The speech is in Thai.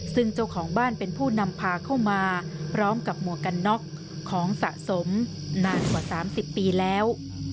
ซึ่งเจ้าของบ้านเป็นผู้นำพาเข้ามาพร้อมกับหมวกกันน็อกของสะสมนานกว่า๓๐ปีแล้ว